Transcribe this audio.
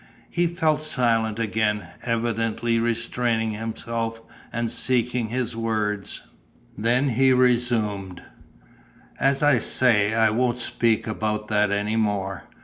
He fell silent again, evidently restraining himself and seeking his words. Then he resumed: "As I say, I won't speak about that any more.